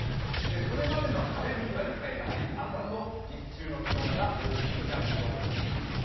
それまでの晴れる日は、やはり朝と日中の気温差、大きくなりそうです。